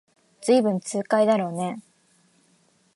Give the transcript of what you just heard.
ずいぶん痛快だろうねえ